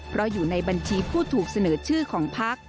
เพราะอยู่ในบัญชีผู้ถูกเสนอชื่อของพัก